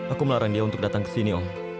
aku melarang dia untuk datang ke sini om